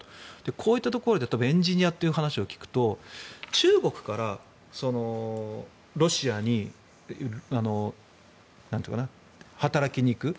こういったところでエンジニアという話を聞くと中国からロシアに働きに行く。